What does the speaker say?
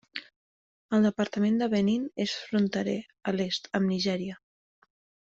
El departament de Benín és fronterer, a l'est, amb Nigèria.